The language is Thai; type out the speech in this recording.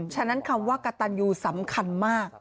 ฉะนั้นคำว่ากระตันยูสำคัญมาก